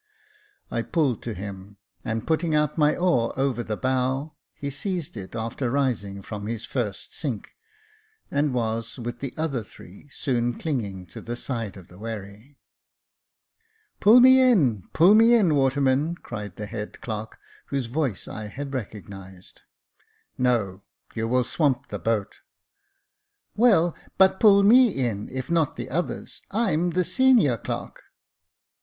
I pulled to him, and putting out my oar over the bow, he seized it after rising from his first sink, and was, with the other three, soon clinging to the side of the wherry. Jacob Faithful 323 "Pull me in — pull me in, waterman !" cried the head clerk, whose voice I had recognised. "No ; you will swamp the boat." "Well, but pull me in, if not the others. I'm the senior clerk."